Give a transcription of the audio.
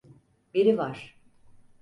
Biri var.